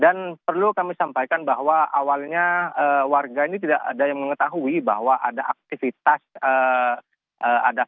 dan perlu kami sampaikan bahwa awalnya warga ini tidak ada yang mengetahui bahwa ada aktifitas yang berlaku di rumah